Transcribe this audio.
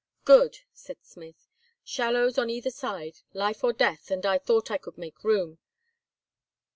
"Good!" said Smith, "shallows on either side; life or death, and I thought I could make room.